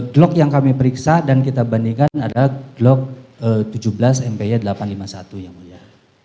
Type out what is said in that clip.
glock yang kami periksa dan kita bandingkan adalah glock tujuh belas mp delapan ratus lima puluh satu yang mulia